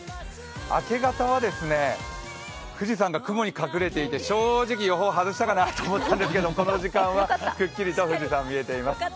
明け方は富士山が雲に隠れていて、正直予報外したかなと思ったんですけど、この時間はすっきりと富士山、見えています。